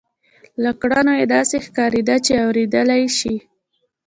له کړنو یې داسې ښکارېده چې اورېدلای شي